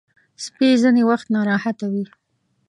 سپي ځینې وخت ناراحته وي.